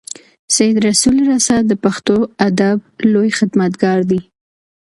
سید رسول رسا د پښتو ادب لوی خدمتګار دی.